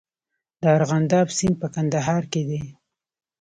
د ارغنداب سیند په کندهار کې دی